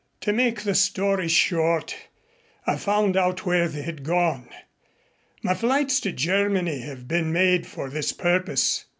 "To make the story short, I found out where they had gone. My flights to Germany have been made for this purpose.